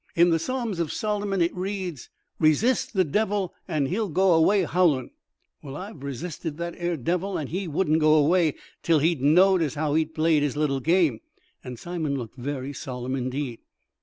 In the Psalms of Solomon it reads, 'Resist the devil and he'll go away howlin'.' Well, I've resisted that 'ere devil, and he wouldn't go away till he'd knowed as how he'd played his little game;" and Simon looked very solemn indeed.